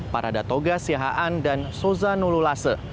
parada toga siahaan dan soza nululase